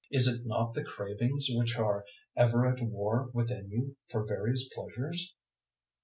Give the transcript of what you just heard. Is it not the cravings which are ever at war within you for various pleasures?